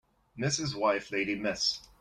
Mrs. wife lady Miss